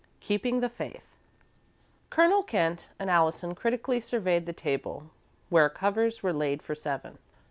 XI KEEPING THE FAITH Colonel Kent and Allison critically surveyed the table, where covers were laid for seven.